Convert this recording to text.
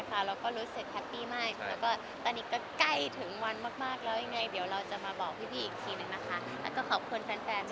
ใช่ค่ะ